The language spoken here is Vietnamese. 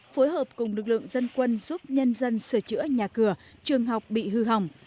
phối hợp cùng lực lượng dân quân giúp nhân dân sửa chữa nhà cửa trường học bị hư hỏng